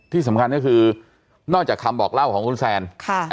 ที่สำคัญก็คือนอกจากคำบอกเล่าของคุณแซน